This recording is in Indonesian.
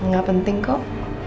gak penting kok